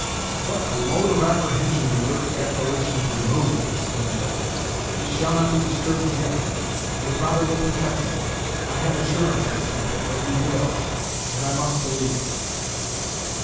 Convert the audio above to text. "What a load of apprehension do your declarations remove!" exclaimed Edwards: "He shall not be disturbed again! your father will protect him! I have assurance, Miss Temple, that he will, and I must believe it."